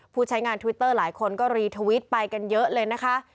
ใช้งานทวิตเตอร์หลายคนก็รีทวิตไปกันเยอะเลยนะคะ